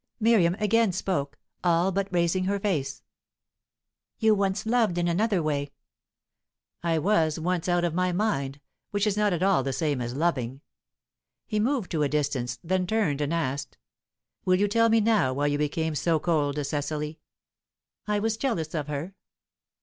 Miriam again spoke, all but raising her face. "You once loved in another way." "I was once out of my mind, which is not at all the same as loving." He moved to a distance; then turned, and asked: "Will you tell me now why you became so cold to Cecily?" "I was jealous of her."